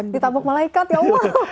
ditabok malaikat ya allah